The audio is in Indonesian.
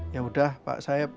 ya udah pak sayap